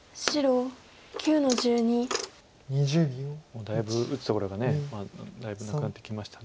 もうだいぶ打つところがだいぶなくなってきました。